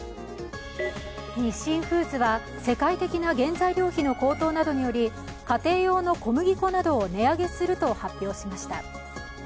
日清フーズは、世界的な原材料費の高騰などにより家庭用の小麦粉などを値上げすると発表しました。